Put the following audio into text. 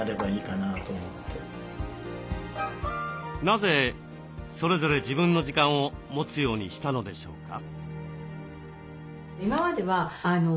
なぜそれぞれ自分の時間を持つようにしたのでしょうか？